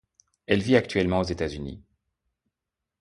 Elle vit actuellement aux États-Unis.